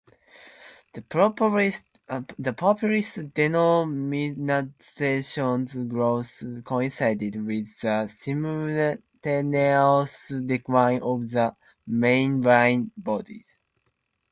The populist denominations' growth coincided with the simultaneous decline of the mainline bodies.